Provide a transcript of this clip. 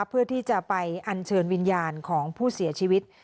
เพื่อที่จะไปอัญเชิญวิญญาณของผู้เสียชีวิต